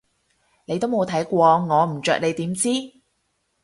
你都冇睇過我唔着你點知？